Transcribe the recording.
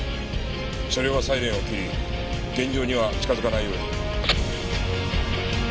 車両はサイレンを切り現場には近づかないように。